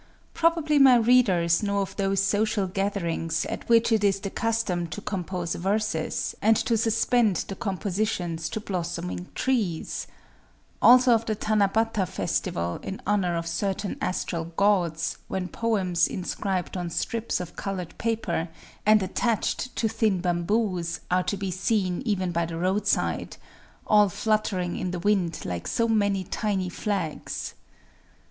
Probably my readers know of those social gatherings at which it is the custom to compose verses, and to suspend the compositions to blossoming trees,—also of the Tanabata festival in honor of certain astral gods, when poems inscribed on strips of colored paper, and attached to thin bamboos, are to be seen even by the roadside,—all fluttering in the wind like so many tiny flags….